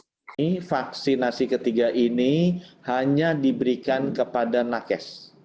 jadi vaksinasi ketiga ini hanya diberikan kepada nakes